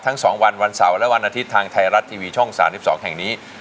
๒วันวันเสาร์และวันอาทิตย์ทางไทยรัฐทีวีช่อง๓๒แห่งนี้